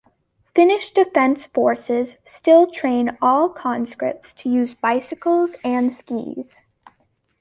Finnish defence forces still train all conscripts to use bicycles and skis.